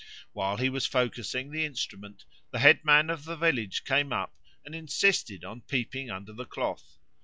While he was focusing the instrument, the headman of the village came up and insisted on peeping under the cloth.